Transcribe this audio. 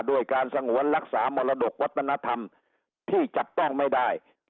ด้วยการสงวนรักษามรดกวัฒนธรรมที่จับต้องไม่ได้